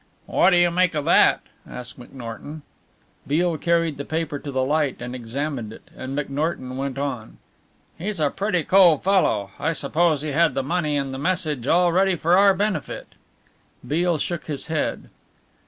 "What do you make of that?" asked McNorton. Beale carried the paper to the light and examined it, and McNorton went on: "He's a pretty cool fellow. I suppose he had the money and the message all ready for our benefit." Beale shook his head.